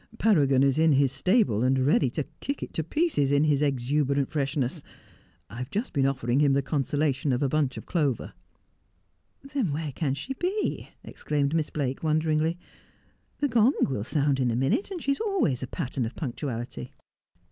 'Paragon is in his stable, and ready to kick it to pieces in his exuberant freshness. I have just been offering hint the consolation of a bum h of clover.' * Wliat is the Key to the Enigma ?' 303 ' Then where can she be 1 ' exclaimed Miss Blake wonderingly. ' The gong will sound in a minute, and she is always a pattern of punctuality.'